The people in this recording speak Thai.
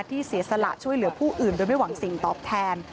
เสียสละช่วยเหลือผู้อื่นโดยไม่หวังสิ่งตอบแทน